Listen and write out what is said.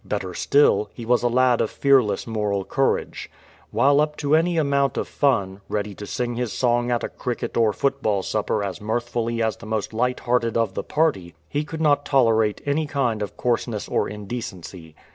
Better still, he was a lad of fearless moral courage. 271 A CASE OF MORAL COURAGE While up to any amount of fun, ready to sing his song at a cricket or football supper as mirthfully as the most lighthearted of the party, he could not tolerate any kind of coarseness or indecency.